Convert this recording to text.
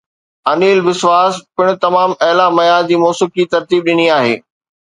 انيل بسواس پڻ تمام اعليٰ معيار جي موسيقي ترتيب ڏني آهي.